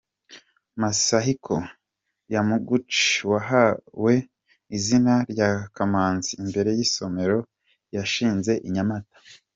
Masahiko Yamaguchi wahawe izina rya Kamanzi imbere y’isomero yashinze i Nyamata.